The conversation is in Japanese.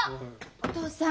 お父さん